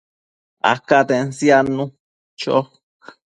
acaten siadnu cho